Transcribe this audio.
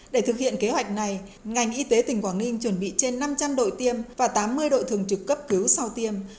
để thực hiện kế hoạch này ngành y tế tỉnh quảng ninh chuẩn bị trên năm trăm linh đội tiêm và tám mươi đội thường trực cấp cứu sau tiêm